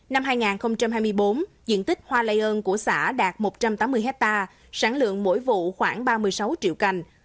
năm hai nghìn hai mươi bốn diện tích hoa lây ơn của xã đạt một trăm tám mươi hectare sản lượng mỗi vụ khoảng ba mươi sáu triệu cành